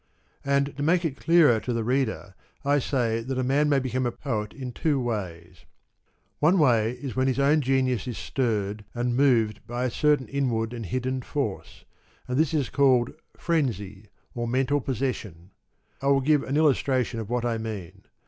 And, to make it clearer to the reader I say that a man may become a poet in two ways. One way is when his own genius is stirred and and moved by a certain inward and hidden force, and this is called frenzy or mental possession. I will give an illustration of what I mean.